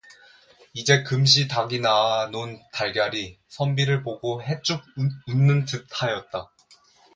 이제 금시 닭이 낳아 논 달걀이 선비를 보고 해쭉 웃는 듯하였다.